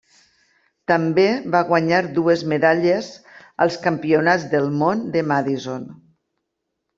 També va guanyar dues medalles als Campionats del món de Madison.